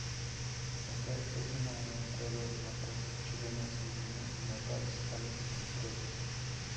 Hasta ese momento los mapas chilenos seguían al mapa arbitral.